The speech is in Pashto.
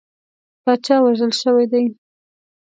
پاچا وژل شوی دی.